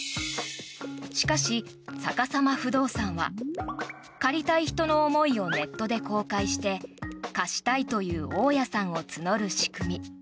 しかし、さかさま不動産は借りたい人の思いをネットで公開して貸したいという大家さんを募る仕組み。